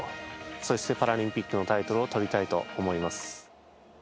そしてパラリンピックのタイトルをとりたいと思います。